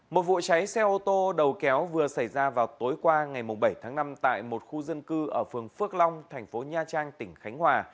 một vụ cháy xe ô tô đầu kéo vừa xảy ra vào tối qua ngày bảy tháng năm tại một khu dân cư ở phường phước long thành phố nha trang tỉnh khánh hòa